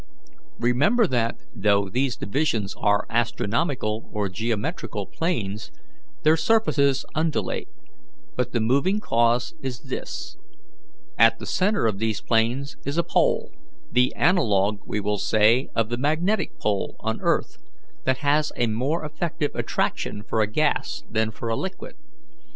Remember that, though these divisions are astronomical or geometrical planes, their surfaces undulate; but the moving cause is this: At the centre of these planes is a pole, the analogue, we will say, of the magnetic pole on earth, that has a more effective attraction for a gas than for a liquid.